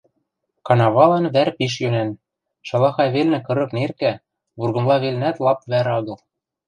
Канавалан вӓр пиш йӧнӓн: шалахай велнӹ кырык неркӓ, вургымла велнӓт лап вӓр агыл